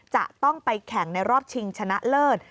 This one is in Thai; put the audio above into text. จะต้องไปแข่งในรอบชิงชนะเลิศ